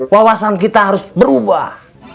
wawasan kita harus berubah